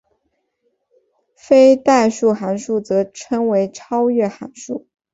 非代数函数则称为超越函数。